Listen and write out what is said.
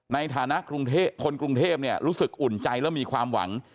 ในฐานะคนกรุงเทพรู้สึกอุ่นใจและมีความหวัง